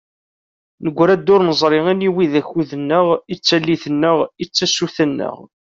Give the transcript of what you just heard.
Negra-d ur neẓri aniwa i d akud-nneɣ, i d tallit-nneɣ, i d tasuta-nneɣ.